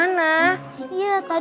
ayolah bener tuh